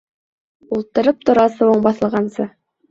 Ултырып тор асыуың баҫылғансы.